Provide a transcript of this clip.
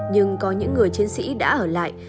nhưng có những người chiến sĩ đã ở lại